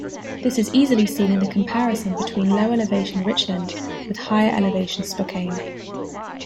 This is easily seen in the comparison between low-elevation Richland with higher elevation Spokane.